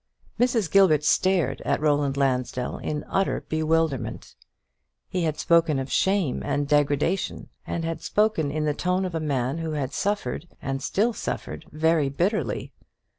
Mrs. Gilbert stared at Roland Lansdell in utter bewilderment. He had spoken of shame and degradation, and had spoken in the tone of a man who had suffered, and still suffered, very bitterly.